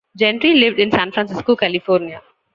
Gentry lived in San Francisco, California.